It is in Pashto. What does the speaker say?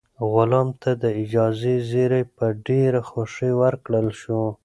غلام ته د ازادۍ زېری په ډېره خوښۍ ورکړل شو.